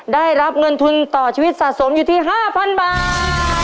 ได้รับเงินทุนต่อชีวิตสะสมอยู่ที่๕๐๐บาท